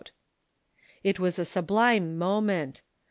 It was a sublime moment.